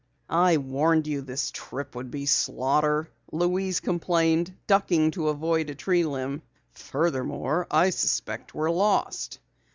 "I warned you this trip would be slaughter," Louise complained, ducking to avoid a tree limb. "Furthermore, I suspect we're lost."